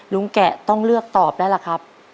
แกะต้องเลือกตอบแล้วล่ะครับ